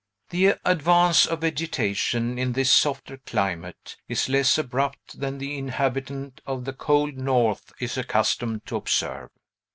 The advance of vegetation, in this softer climate, is less abrupt than the inhabitant of the cold North is accustomed to observe.